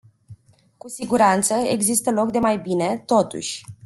Cu siguranță, există loc de mai bine, totuși.